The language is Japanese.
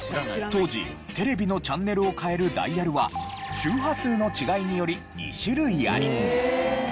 当時テレビのチャンネルを変えるダイヤルは周波数の違いにより２種類あり。